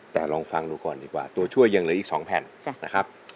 แต่ลองฟังดูก่อนดีกว่าตัวช่วยยังเหลืออีก๒แผ่นนะครับ